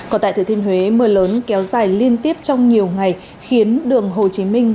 còn tại thời thuyền huế mưa lớn kéo dài liên tiếp trong nhiều ngày khiến đường hồ chí minh